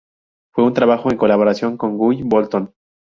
Fue un trabajo en colaboración con Guy Bolton.